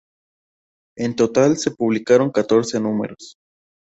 En total se publicaron catorce números.